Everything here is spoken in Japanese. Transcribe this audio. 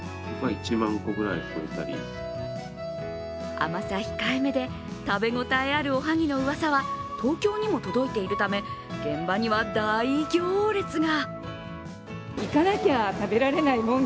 甘さ控えめで食べ応えあるおはぎのうわさは東京にも届いているため現場には大行列が。